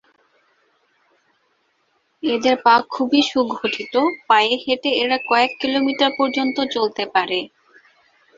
এদের পা খুবই সুগঠিত, পায়ে হেটে এরা কয়েক কিলোমিটার পর্যন্ত চলতে পারে।